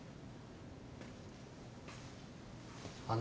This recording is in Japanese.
あの。